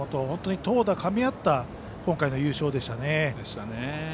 本当に投打かみ合った今回の優勝でしたね。